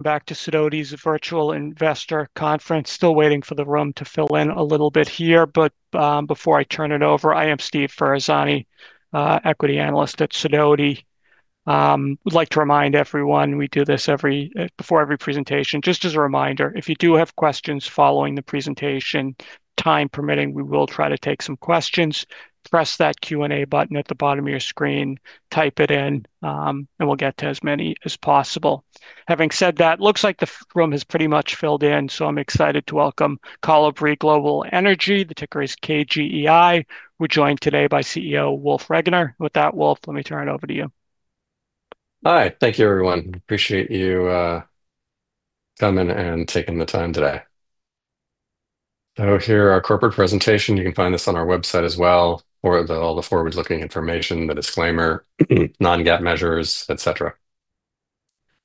Back to Sidoti & Company's virtual investor conference. Still waiting for the room to fill in a little bit here. Before I turn it over, I am Stephen Michael Ferazani, Equity Analyst at Sidoti & Company. I'd like to remind everyone, we do this before every presentation, just as a reminder. If you do have questions following the presentation, time permitting, we will try to take some questions. Press that Q&A button at the bottom of your screen, type it in, and we'll get to as many as possible. Having said that, it looks like the room has pretty much filled in, so I'm excited to welcome Kolibri Global Energy Inc., the ticker is KGEI. We're joined today by CEO Wolf E. Regener. With that, Wolf, let me turn it over to you. Hi, thank you, everyone. Appreciate you coming and taking the time today. Here is our corporate presentation. You can find this on our website as well, or all the forward-looking information, the disclaimer, non-GAAP measures, et cetera.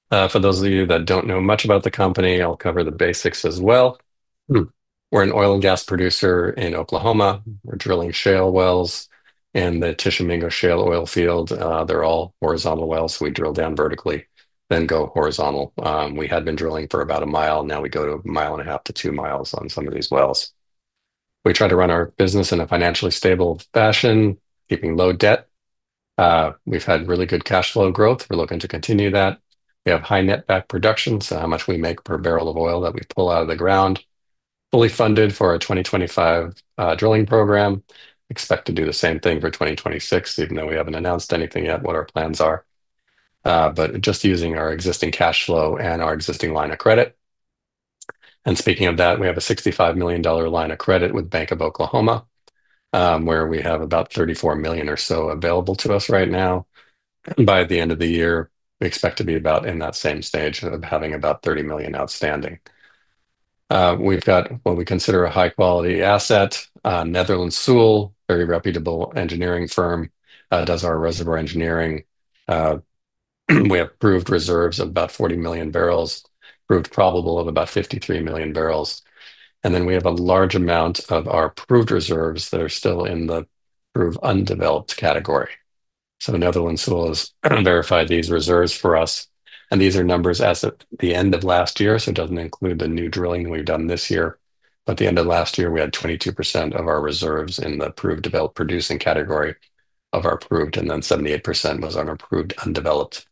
For those of you that don't know much about the company, I'll cover the basics as well. We're an oil and gas producer in Oklahoma. We're drilling shale wells in the Tishomingo Shale Oil Field. They're all horizontal wells. We drill down vertically, then go horizontal. We had been drilling for about a mile, and now we go to a mile and a half to two miles on some of these wells. We try to run our business in a financially stable fashion, keeping low debt. We've had really good cash flow growth. We're looking to continue that. We have high netbacks production, so how much we make per barrel of oil that we pull out of the ground. Fully funded for a 2025 drilling program. Expect to do the same thing for 2026, even though we haven't announced anything yet what our plans are. Just using our existing cash flow and our existing line of credit. Speaking of that, we have a $65 million line of credit with Bank of Oklahoma, where we have about $34 million or so available to us right now. By the end of the year, we expect to be about in that same stage of having about $30 million outstanding. We've got what we consider a high-quality asset, Netherland, Sewell & Associates, Inc., a very reputable engineering firm, does our reservoir engineering. We have proved reserves of about 40 million barrels, proved probable of about 53 million barrels. We have a large amount of our proved reserves that are still in the proved undeveloped category. Netherland, Sewell & Associates, Inc. has verified these reserves for us. These are numbers as of the end of last year, so it doesn't include the new drilling that we've done this year. At the end of last year, we had 22% of our reserves in the proved developed producing category of our proved, and then 78% was unproved, undeveloped.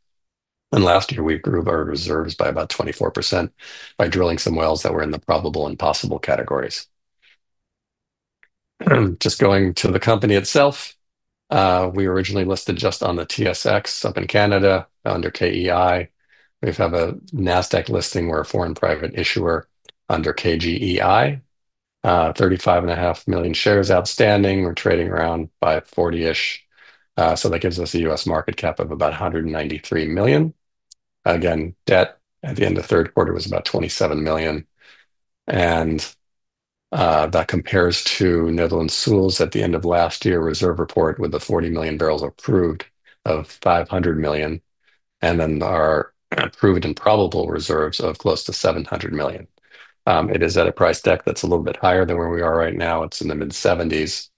Last year, we improved our reserves by about 24% by drilling some wells that were in the probable and possible categories. Going to the company itself, we originally listed just on the TSX up in Canada under KEI. We have a NASDAQ listing. We're a foreign private issuer under KGEI. 35.5 million shares outstanding. We're trading around $40-ish. That gives us a U.S. market cap of about $193 million. Again, debt at the end of the third quarter was about $27 million. That compares to Netherland, Sewell & Associates, Inc. at the end of last year's reserve report with the 40 million barrels proved of $500 million. Then our proved and probable reserves of close to $700 million. It is at a price deck that's a little bit higher than where we are right now. It's in the mid-70s.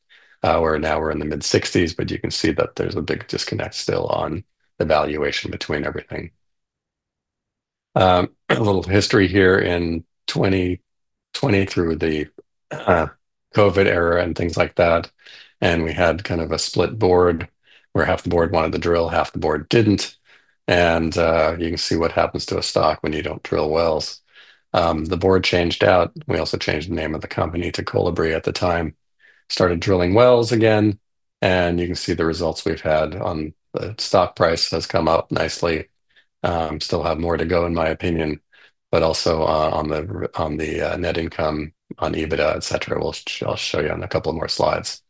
We're now in the mid-60s, but you can see that there's a big disconnect still on the valuation between everything. A little history here in 2020 through the COVID era and things like that. We had kind of a split board where half the board wanted to drill, half the board didn't. You can see what happens to a stock when you don't drill wells. The board changed out. We also changed the name of the company to Kolibri Global Energy Inc. at the time. Started drilling wells again. You can see the results we've had on the stock price has come up nicely. Still have more to go, in my opinion, but also on the net income, on EBITDA, et cetera. I'll show you in a couple more slides.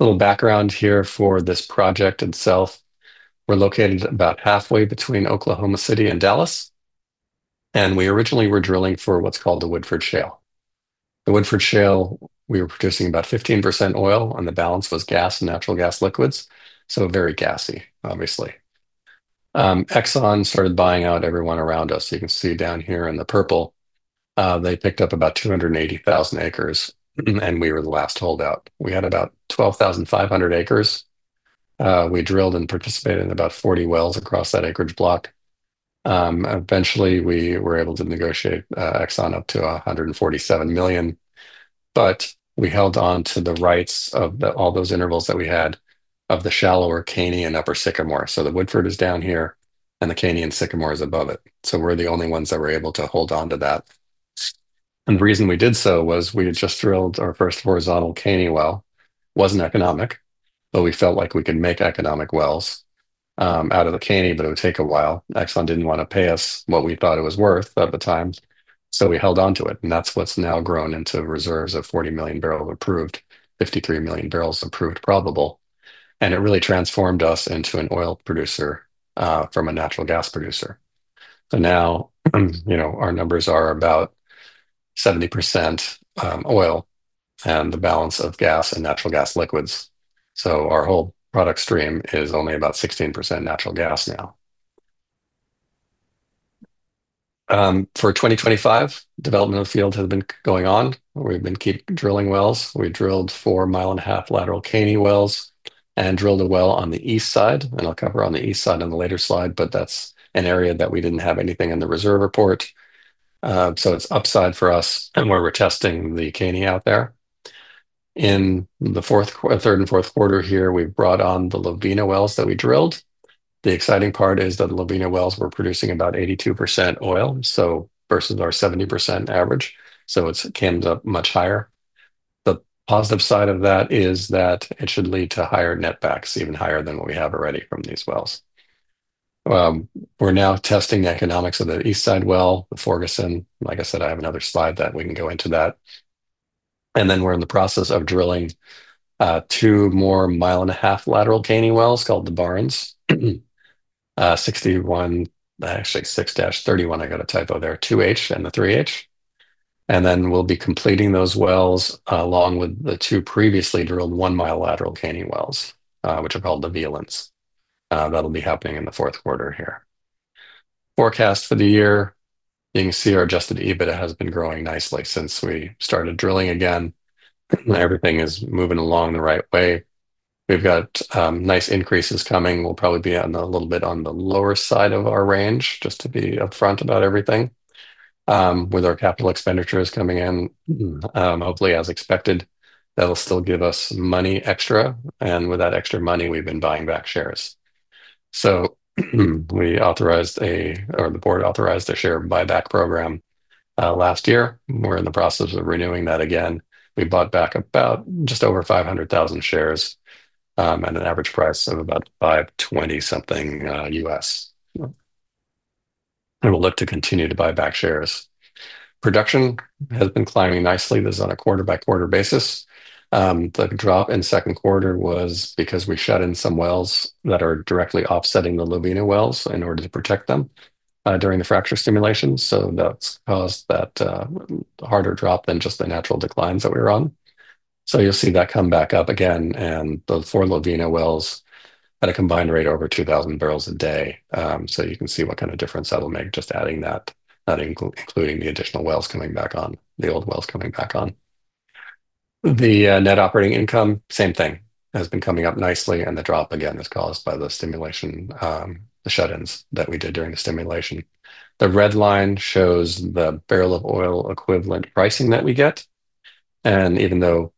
A little background here for this project itself. We're located about halfway between Oklahoma City and Dallas. We originally were drilling for what's called the Woodford Shale. The Woodford Shale, we were producing about 15% oil, and the balance was gas and natural gas liquids. Very gassy, obviously. Exxon started buying out everyone around us. You can see down here in the purple, they picked up about 280,000 acres, and we were the last holdout. We had about 12,500 acres. We drilled and participated in about 40 wells across that acreage block. Eventually, we were able to negotiate Exxon up to $147 million. We held on to the rights of all those intervals that we had of the shallower Caney and upper Sycamore. The Woodford is down here, and the Caney and Sycamore is above it. We're the only ones that were able to hold on to that. The reason we did so was we had just drilled our first horizontal Caney well. Wasn't economic, but we felt like we could make economic wells out of the Caney, but it would take a while. Exxon didn't want to pay us what we thought it was worth at the time. We held on to it. That's what's now grown into reserves of 40 million barrels proved, 53 million barrels proved probable. It really transformed us into an oil producer from a natural gas producer. Now, you know, our numbers are about 70% oil and the balance of gas and natural gas liquids. Our whole product stream is only about 16% natural gas now. For 2025, development of the field has been going on. We've been drilling wells. We drilled four mile and a half lateral Caney wells and drilled a well on the east side. I'll cover on the east side on a later slide, but that's an area that we didn't have anything in the reserve report. It's upside for us and where we're testing the Caney out there. In the third and fourth quarter here, we've brought on the Lobina wells that we drilled. The exciting part is that the Lobina wells were producing about 82% oil, versus our 70% average. It's came much higher. The positive side of that is that it should lead to higher netbacks, even higher than what we have already from these wells. We're now testing the economics of the east side well, the Forguson. Like I said, I have another slide that we can go into that. We're in the process of drilling two more mile and a half lateral Caney wells called the Barnes 6-31 2H and the 3H. We'll be completing those wells along with the two previously drilled one mile lateral Caney wells, which are called the Velence. That'll be happening in the fourth quarter here. Forecast for the year, you can see our adjusted EBITDA has been growing nicely since we started drilling again. Everything is moving along the right way. We've got nice increases coming. We'll probably be on a little bit on the lower side of our range, just to be upfront about everything. With our capital expenditures coming in, hopefully as expected, that'll still give us money extra. With that extra money, we've been buying back shares. We authorized a, or the board authorized a share buyback program last year. We're in the process of renewing that again. We bought back about just over 500,000 shares at an average price of about $520 something US. We'll look to continue to buy back shares. Production has been climbing nicely. This is on a quarter by quarter basis. The drop in second quarter was because we shut in some wells that are directly offsetting the Lobina wells in order to protect them during the fracture simulation. That caused that harder drop than just the natural declines that we were on. You'll see that come back up again. The four Lobina wells at a combined rate over 2,000 barrels a day. You can see what kind of difference that will make, just adding that, including the additional wells coming back on, the old wells coming back on. The net operating income, same thing, has been coming up nicely. The drop again is caused by the stimulation, the shut-ins that we did during the stimulation. The red line shows the barrel of oil equivalent pricing that we get. Even though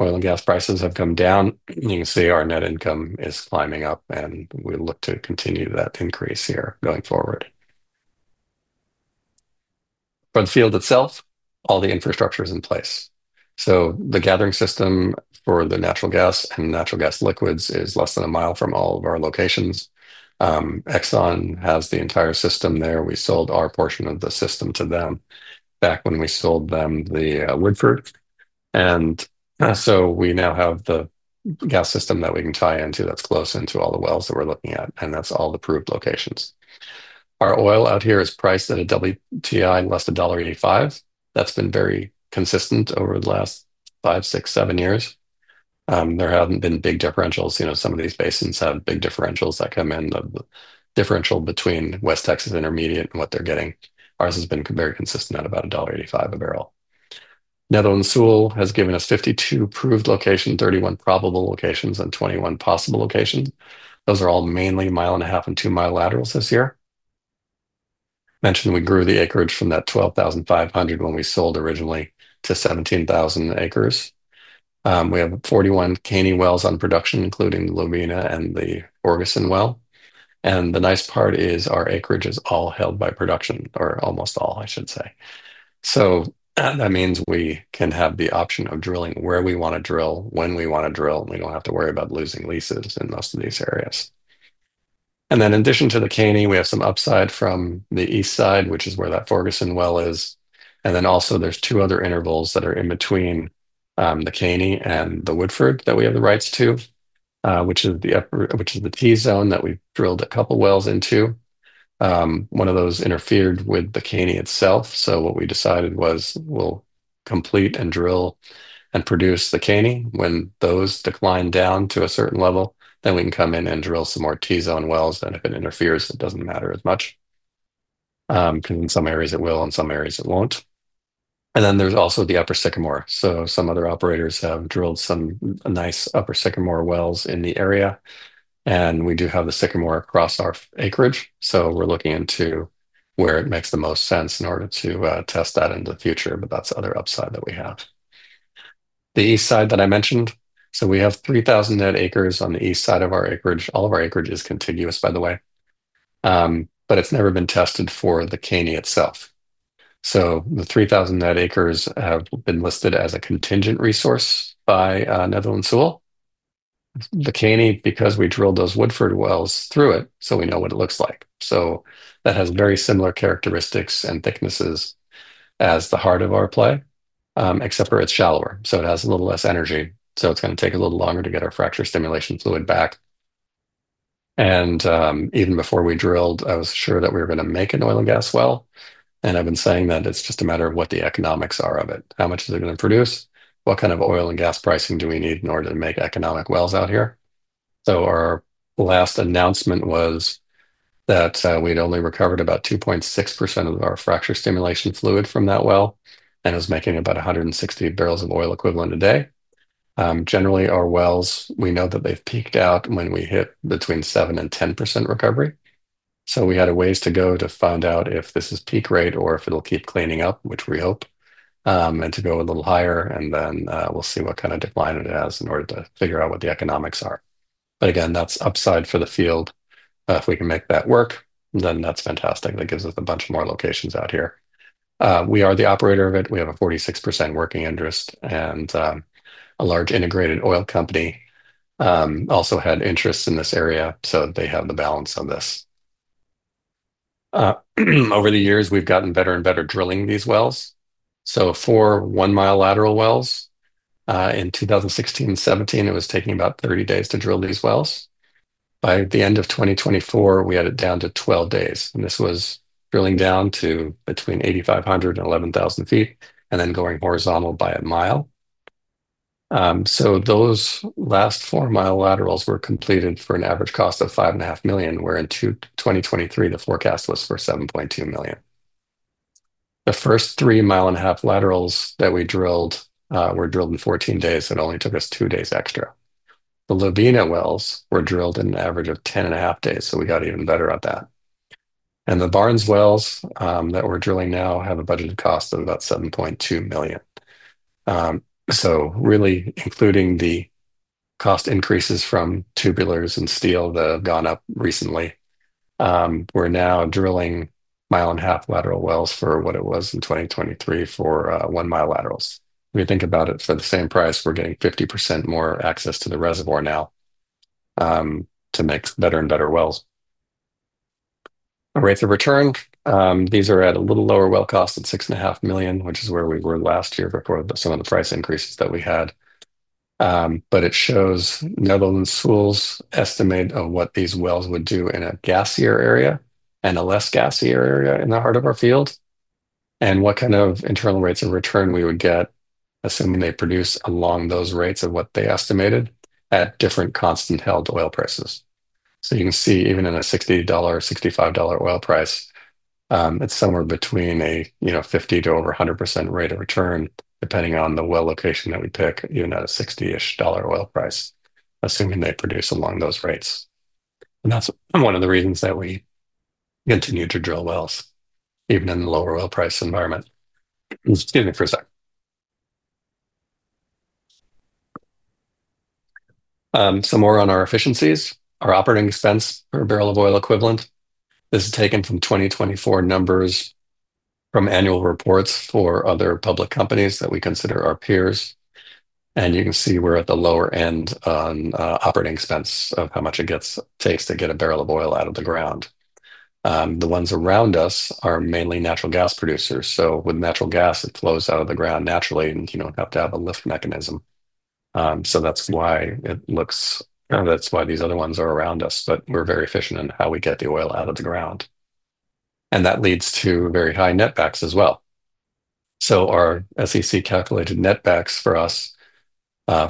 oil and gas prices have come down, you can see our net income is climbing up. We look to continue that increase here going forward. For the field itself, all the infrastructure is in place. The gathering system for the natural gas and natural gas liquids is less than a mile from all of our locations. Exxon has the entire system there. We sold our portion of the system to them back when we sold them the Woodford. We now have the gas system that we can tie into that's close into all the wells that we're looking at, and that's all the approved locations. Our oil out here is priced at a WTI less than $1.85. That's been very consistent over the last five, six, seven years. There haven't been big differentials. Some of these basins have big differentials that come in, the differential between West Texas Intermediate and what they're getting. Ours has been very consistent at about $1.85 a barrel. Netherland, Sewell & Associates, Inc. has given us 52 approved locations, 31 probable locations, and 21 possible locations. Those are all mainly mile and a half and two mile laterals this year. Mentioned we grew the acreage from that $12,500 when we sold originally to 17,000 acres. We have 41 Caney wells on production, including Lobina and the Forguson well. The nice part is our acreage is all held by production, or almost all, I should say. That means we can have the option of drilling where we want to drill, when we want to drill, and we don't have to worry about losing leases in most of these areas. In addition to the Caney, we have some upside from the east side, which is where that Forguson well is. There are also two other intervals that are in between the Caney and the Woodford that we have the rights to, which is the T zone that we drilled a couple wells into. One of those interfered with the Caney itself. What we decided was we'll complete and drill and produce the Caney. When those decline down to a certain level, we can come in and drill some more T zone wells. If it interferes, it doesn't matter as much. Because in some areas it will, in some areas it won't. There is also the upper Sycamore. Some other operators have drilled some nice upper Sycamore wells in the area. We do have the Sycamore across our acreage. We're looking into where it makes the most sense in order to test that in the future. That's the other upside that we have. The east side that I mentioned, we have 3,000 net acres on the east side of our acreage. All of our acreage is contiguous, by the way, but it's never been tested for the Caney itself. The 3,000 net acres have been listed as a contingent resource by Netherland, Sewell & Associates, Inc. The Caney, because we drilled those Woodford wells through it, so we know what it looks like. That has very similar characteristics and thicknesses as the heart of our play, except for it's shallower. It has a little less energy, so it's going to take a little longer to get our fracture stimulation fluid back. Even before we drilled, I was sure that we were going to make an oil and gas well. I've been saying that it's just a matter of what the economics are of it. How much is it going to produce? What kind of oil and gas pricing do we need in order to make economic wells out here? Our last announcement was that we'd only recovered about 2.6% of our fracture stimulation fluid from that well and it's making about 160 barrels of oil equivalent a day. Generally, our wells, we know that they've peaked out when we hit between 7% and 10% recovery. We had a ways to go to find out if this is peak rate or if it'll keep cleaning up, which we hope, and to go a little higher. We'll see what kind of decline it has in order to figure out what the economics are. Again, that's upside for the field. If we can make that work, then that's fantastic. That gives us a bunch more locations out here. We are the operator of it. We have a 46% working interest and a large integrated oil company also had interest in this area, so they have the balance of this. Over the years, we've gotten better and better at drilling these wells. For one mile lateral wells, in 2016 and 2017, it was taking about 30 days to drill these wells. By the end of 2024, we had it down to 12 days. This was drilling down to between 8,500 and 11,000 feet and then going horizontal by a mile. Those last four mile laterals were completed for an average cost of $5.5 million, where in 2023, the forecast was for $7.2 million. The first three mile and a half laterals that we drilled were drilled in 14 days and only took us two days extra. The Lobina wells were drilled in an average of 10.5 days, so we got even better at that. The Barnes wells that we're drilling now have a budgeted cost of about $7.2 million. Really, including the cost increases from tubulars and steel that have gone up recently, we're now drilling mile and a half lateral wells for what it was in 2023 for one mile laterals. If you think about it, for the same price, we're getting 50% more access to the reservoir now to make better and better wells. Rates of return, these are at a little lower well cost at $6.5 million, which is where we were last year before some of the price increases that we had. It shows Netherland, Sewell & Associates, Inc.'s estimate of what these wells would do in a gassier area and a less gassier area in the heart of our field and what kind of internal rates of return we would get assuming they produce along those rates of what they estimated at different constant held oil prices. You can see even in a $60, $65 oil price, it's somewhere between a 50% to over 100% rate of return depending on the well location that we pick, even at a $60-ish oil price, assuming they produce along those rates. That's one of the reasons that we continue to drill wells, even in the lower oil price environment. Excuse me for a sec. Some more on our efficiencies. Our operating expense per barrel of oil equivalent, this is taken from 2024 numbers from annual reports for other public companies that we consider our peers. You can see we're at the lower end on operating expense of how much it takes to get a barrel of oil out of the ground. The ones around us are mainly natural gas producers. With natural gas, it flows out of the ground naturally and you don't have to have a lift mechanism. That's why it looks, that's why these other ones are around us, but we're very efficient in how we get the oil out of the ground. That leads to very high netbacks as well. Our SEC calculated netbacks for us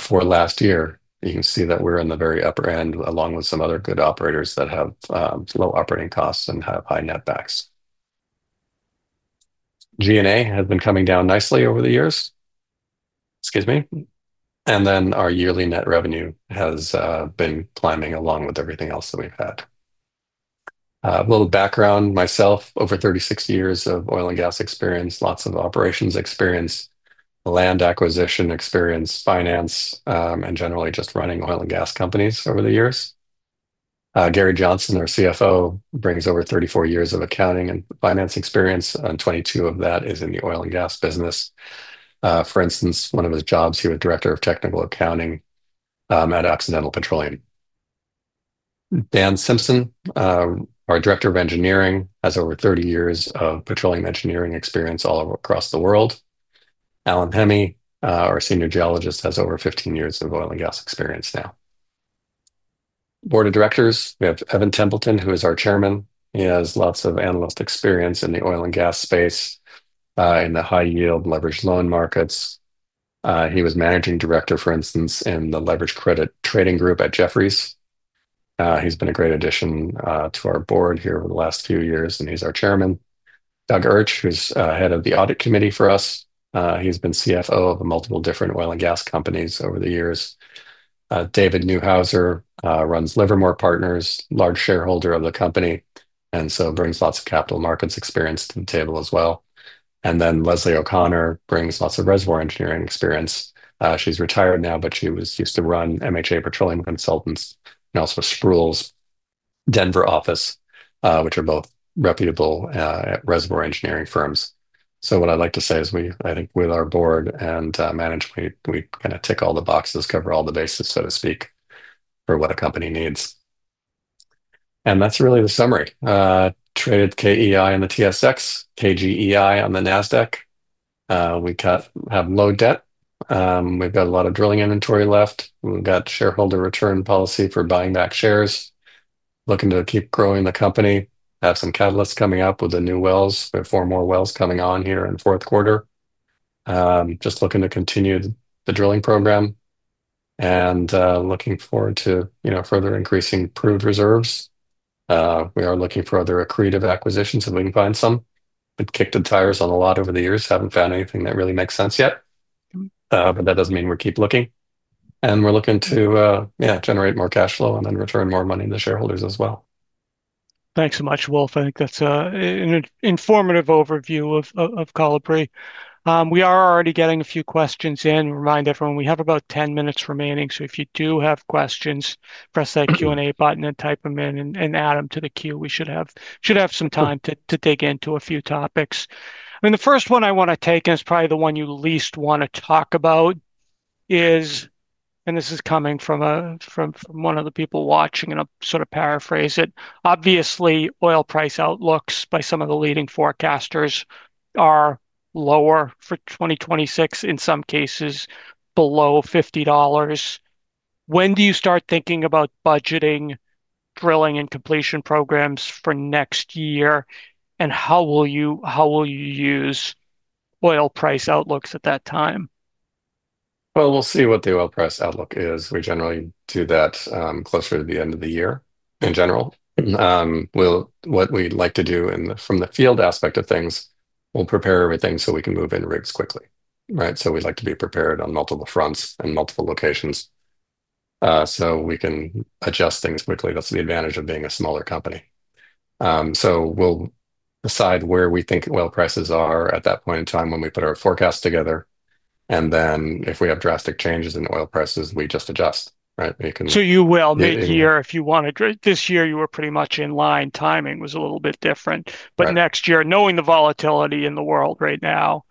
for last year, you can see that we're in the very upper end along with some other good operators that have low operating costs and have high netbacks. G&A has been coming down nicely over the years. Excuse me. Our yearly net revenue has been climbing along with everything else that we've had. A little background myself, over 36 years of oil and gas experience, lots of operations experience, land acquisition experience, finance, and generally just running oil and gas companies over the years. Gary W. Johnson, our CFO, brings over 34 years of accounting and finance experience, and 22 of that is in the oil and gas business. For instance, one of his jobs, he was Director of Technical Accounting at Occidental Petroleum. Dan Simpson, our Director of Engineering, has over 30 years of petroleum engineering experience all across the world. Alan Hemmy, our Senior Geologist, has over 15 years of oil and gas experience now. Board of Directors, we have Evan Templeton, who is our Chairman. He has lots of analyst experience in the oil and gas space, in the high-yield leveraged loan markets. He was Managing Director, for instance, in the leverage credit trading group at Jefferies. He's been a great addition to our board here over the last few years, and he's our Chairman. Doug Erch, who's head of the Audit Committee for us, he's been CFO of multiple different oil and gas companies over the years. David Neuhauser runs Livermore Partners, a large shareholder of the company, and brings lots of capital markets experience to the table as well. Leslie O'Connor brings lots of reservoir engineering experience. She's retired now, but she used to run MHA Petroleum Consultants and also Strul's Denver office, which are both reputable reservoir engineering firms. What I'd like to say is we, I think, with our board and management, we kind of tick all the boxes, cover all the bases, so to speak, for what a company needs. That's really the summary. Traded KEI in the TSX, KGEI on the NASDAQ. We have low debt. We've got a lot of drilling inventory left. We've got shareholder return policy for buying back shares. Looking to keep growing the company. Have some catalysts coming up with the new wells. There are four more wells coming on here in the fourth quarter. Just looking to continue the drilling program and looking forward to further increasing approved reserves. We are looking for other accretive acquisitions if we can find some. We've kicked the tires on a lot over the years. Haven't found anything that really makes sense yet. That doesn't mean we keep looking. We're looking to, yeah, generate more cash flow and then return more money to the shareholders as well. Thanks so much, Wolf. I think that's an informative overview of Kolibri Global Energy Inc. We are already getting a few questions in. Remind everyone, we have about 10 minutes remaining. If you do have questions, press that Q&A button and type them in and add them to the queue. We should have some time to dig into a few topics. The first one I want to take, and it's probably the one you least want to talk about, is, and this is coming from one of the people watching, and I'll sort of paraphrase it. Obviously, oil price outlooks by some of the leading forecasters are lower for 2026, in some cases below $50. When do you start thinking about budgeting, drilling, and completion programs for next year? How will you use oil price outlooks at that time? We see what the oil price outlook is. We generally do that closer to the end of the year in general. What we like to do from the field aspect of things, we prepare everything so we can move in routes quickly. We like to be prepared on multiple fronts and multiple locations so we can adjust things quickly. That's the advantage of being a smaller company. We decide where we think oil prices are at that point in time when we put our forecast together. If we have drastic changes in the oil prices, we just adjust. You will mid-year if you want to. This year, you were pretty much in line. Timing was a little bit different. Next year, knowing the volatility in the world right now,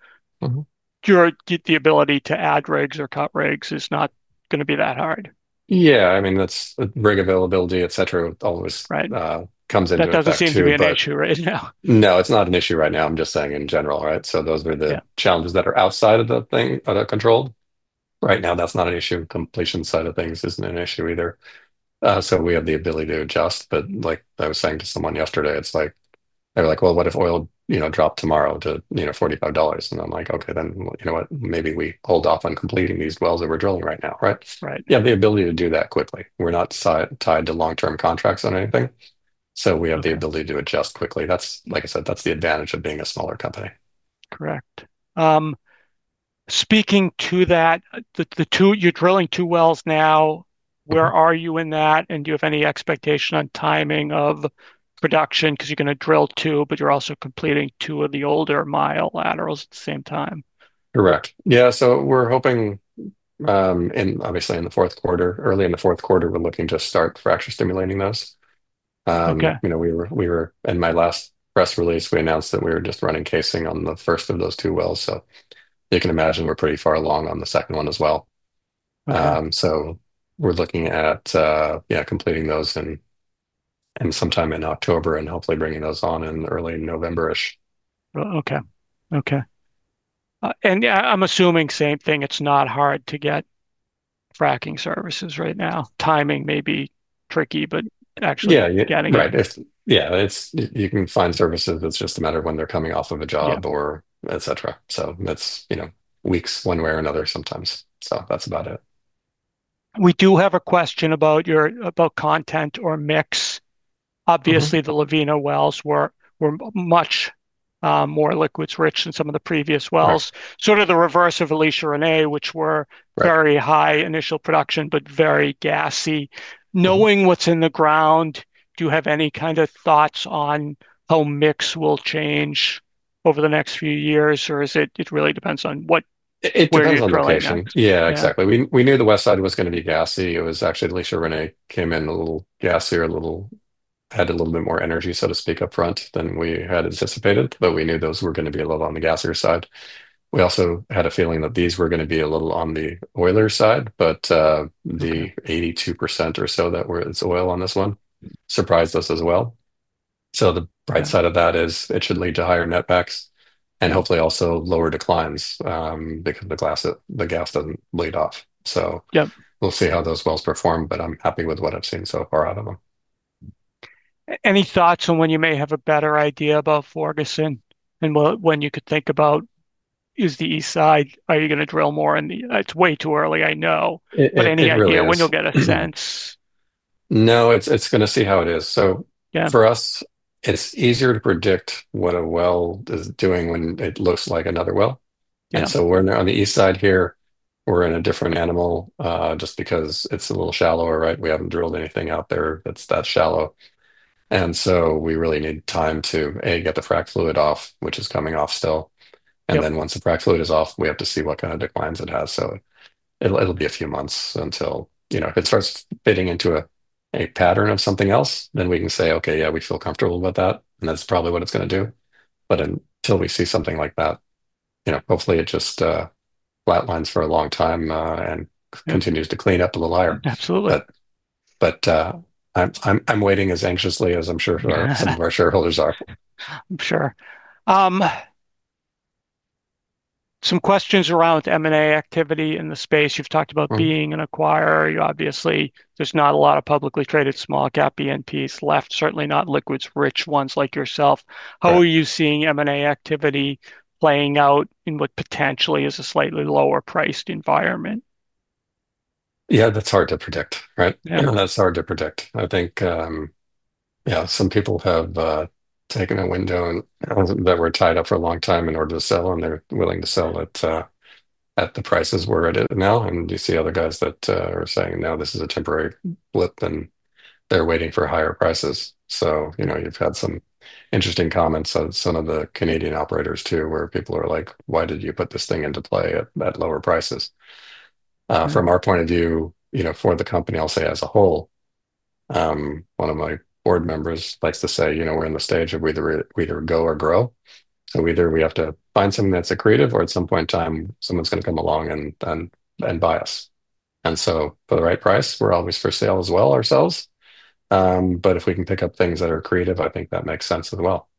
your ability to add rigs or cut rigs is not going to be that hard. Yeah, I mean, that's rig availability, et cetera, always comes into it. That doesn't seem to be an issue right now. No, it's not an issue right now. I'm just saying in general, right? Those are the challenges that are outside of the thing out of control. Right now, that's not an issue. The completion side of things isn't an issue either. We have the ability to adjust. Like I was saying to someone yesterday, it's like, they're like, what if oil, you know, dropped tomorrow to, you know, $45? I'm like, OK, then you know what? Maybe we hold off on completing these wells that we're drilling right now, right? Right. You have the ability to do that quickly. We're not tied to long-term contracts on anything, so we have the ability to adjust quickly. That's, like I said, the advantage of being a smaller company. Correct. Speaking to that, the two, you're drilling two wells now. Where are you in that? Do you have any expectation on timing of production? You're going to drill two, but you're also completing two of the older mile laterals at the same time. Correct. Yeah, so we're hoping, and obviously in the fourth quarter, early in the fourth quarter, we're looking to start fracture stimulating those. In my last press release, we announced that we were just running casing on the first of those two wells. You can imagine we're pretty far along on the second one as well. We're looking at completing those sometime in October and hopefully bringing those on in early November-ish. OK. I'm assuming same thing, it's not hard to get fracking services right now. Timing may be tricky, but actually, yeah, you're right. You can find services. It's just a matter of when they're coming off of a job or et cetera. It's weeks one way or another sometimes. That's about it. We do have a question about your content or mix. Obviously, the Lobina wells were much more liquids rich than some of the previous wells. Sort of the reverse of Alicia Renee, which were very high initial production, but very gassy. Knowing what's in the ground, do you have any kind of thoughts on how mix will change over the next few years? Or is it really depends on what? It depends on the location. Yeah, exactly. We knew the west side was going to be gassy. It was actually Alicia Renee came in a little gassier, had a little bit more energy, so to speak, up front than we had anticipated. We knew those were going to be a little on the gassier side. We also had a feeling that these were going to be a little on the oiler side. The 82% or so that were oil on this one surprised us as well. The bright side of that is it should lead to higher netbacks and hopefully also lower declines because the gas doesn't bleed off. We'll see how those wells perform. I'm happy with what I've seen so far out of them. Any thoughts on when you may have a better idea about Forguson and when you could think about, is the east side, are you going to drill more? It's way too early, I know, but any idea when you'll get a sense? No, it's going to see how it is. For us, it's easier to predict what a well is doing when it looks like another well. We're on the east side here. We're in a different animal just because it's a little shallower, right? We haven't drilled anything out there that's that shallow. We really need time to, A, get the frac fluid off, which is coming off still. Once the frac fluid is off, we have to see what kind of declines it has. It'll be a few months until it starts fading into a pattern of something else. We can say, OK, yeah, we feel comfortable about that, and that's probably what it's going to do. Until we see something like that, hopefully it just flatlines for a long time and continues to clean up the line. Absolutely. I'm waiting as anxiously as I'm sure some of our shareholders are. Some questions around M&A activity in the space. You've talked about being an acquirer. Obviously, there's not a lot of publicly traded small cap E&Ps left, certainly not liquids rich ones like yourself. How are you seeing M&A activity playing out in what potentially is a slightly lower priced environment? Yeah, that's hard to predict, right? That's hard to predict. I think, yeah, some people have taken a window that were tied up for a long time in order to sell, and they're willing to sell it at the prices we're at now. You see other guys that are saying, no, this is a temporary blip and they're waiting for higher prices. You've had some interesting comments on some of the Canadian operators too, where people are like, why did you put this thing into play at lower prices? From our point of view, for the company, I'll say as a whole, one of my board members likes to say, we're in the stage of we either go or grow. We either have to find something that's accretive or at some point in time, someone's going to come along and buy us. For the right price, we're always for sale as well ourselves. If we can pick up things that are accretive, I think that makes sense as well.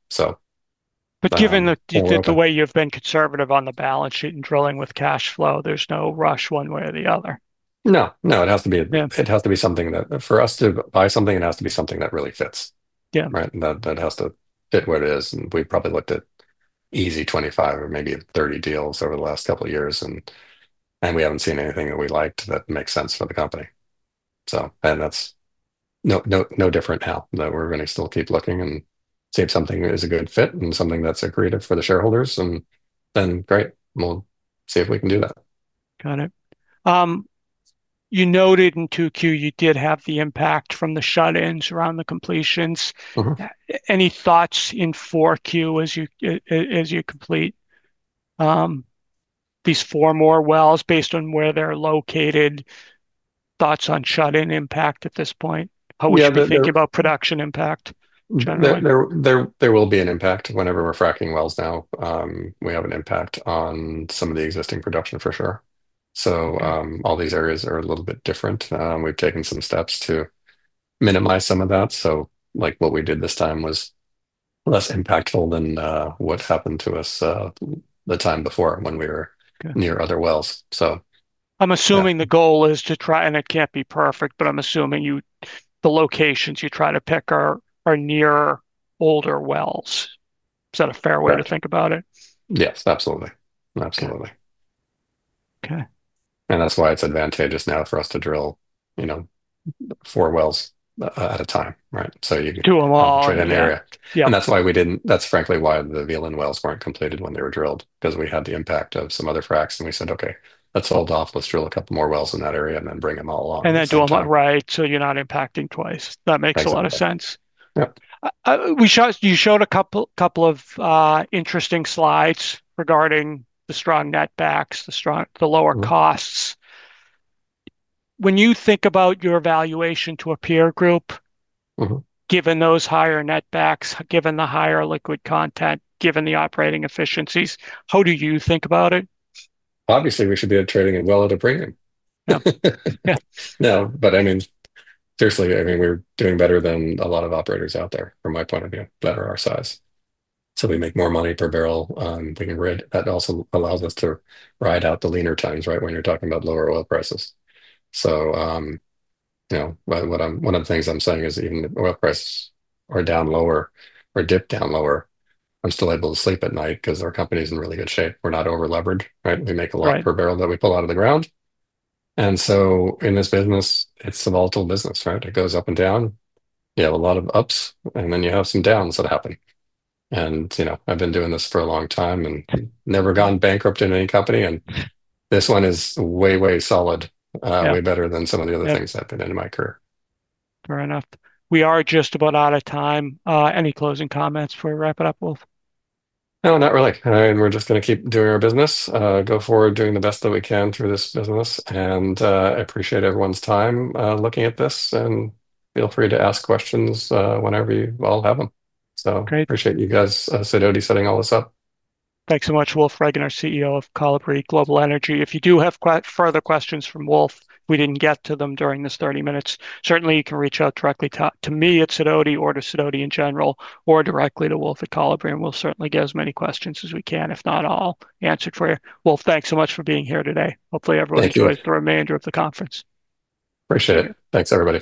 Given that the way you've been conservative on the balance sheet and drilling with cash flow, there's no rush one way or the other. It has to be something that, for us to buy something, it has to be something that really fits. Yeah. That has to fit what it is. We've probably looked at easily 25 or maybe 30 deals over the last couple of years. We haven't seen anything that we liked that makes sense for the company. That's no different now. We're going to still keep looking and see if something is a good fit and something that's accretive for the shareholders. Then great, we'll see if we can do that. Got it. You noted in 2Q you did have the impact from the shut-ins around the completions. Any thoughts in 4Q as you complete these four more wells based on where they're located? Thoughts on shut-in impact at this point? How would you be thinking about production impact? There will be an impact whenever we're fracking wells now. We have an impact on some of the existing production for sure. All these areas are a little bit different. We've taken some steps to minimize some of that. What we did this time was less impactful than what happened to us the time before when we were near other wells. I'm assuming the goal is to try, and it can't be perfect, but I'm assuming you, the locations you try to pick are near older wells. Is that a fair way to think about it? Yes, absolutely. Absolutely. OK. It is advantageous now for us to drill four wells at a time, right? Do them all. That's why we didn't, that's frankly why the Velence wells weren't completed when they were drilled, because we had the impact of some other fracs. We said, OK, let's hold off. Let's drill a couple more wells in that area and then bring them all along. Do them right, so you're not impacting twice. That makes a lot of sense. Yeah. You showed a couple of interesting slides regarding the strong netbacks, the lower costs. When you think about your evaluation to a peer group, given those higher netbacks, given the higher liquid content, given the operating efficiencies, how do you think about it? Obviously, we should be trading it at a premium. Yeah. No, but I mean, seriously, we're doing better than a lot of operators out there, from my point of view, that are our size. We make more money per barrel on being rich. That also allows us to ride out the leaner times, right, when you're talking about lower oil prices. One of the things I'm saying is even if oil prices are down lower or dip down lower, I'm still able to sleep at night because our company is in really good shape. We're not over-leveraged, right? We make a lot per barrel that we pull out of the ground. In this business, it's a volatile business, right? It goes up and down. You have a lot of ups, and then you have some downs that happen. I've been doing this for a long time and never gone bankrupt in any company. This one is way, way solid, way better than some of the other things I've been in my career. Fair enough. We are just about out of time. Any closing comments before we wrap it up, Wolf? No, not really. We're just going to keep doing our business, go forward doing the best that we can through this business. I appreciate everyone's time looking at this, and feel free to ask questions whenever you all have them. I appreciate you guys, Sidoti & Company, setting all this up. Thanks so much, Wolf E. Regener, CEO of Kolibri Global Energy Inc. If you do have further questions for Wolf, we didn't get to them during this 30 minutes. Certainly, you can reach out directly to me at Sidoti & Company or to Sidoti & Company in general or directly to Wolf at Kolibri Global Energy Inc. We'll certainly get as many questions as we can, if not all, answered for you. Wolf, thanks so much for being here today. Hopefully, everyone enjoys the remainder of the conference. Appreciate it. Thanks, everybody.